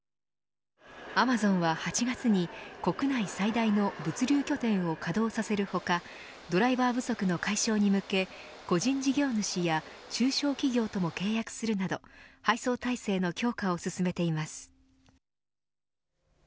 アマゾンは８月に国内最大の物流拠点を稼働させる他ドライバー不足の解消に向け個人事業主や中小企業とも契約するなど配送体制の強化を進めています。